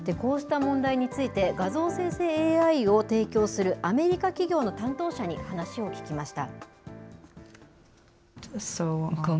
こうした問題について、画像生成ＡＩを提供するアメリカ企業の担当者に話を聞きました。